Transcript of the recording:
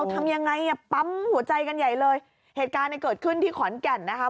ทำยังไงอ่ะปั๊มหัวใจกันใหญ่เลยเหตุการณ์เนี่ยเกิดขึ้นที่ขอนแก่นนะคะ